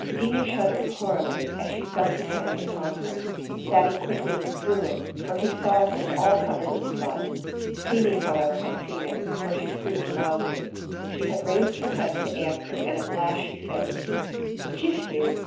Feemy shuddered horribly as she felt his hand upon her. Thady quickly withdrew it, for he saw it was all covered with blood; Feemy, however, had seen it, for she screamed loudly she had raised her head to answer, and at last she said "Kiss you!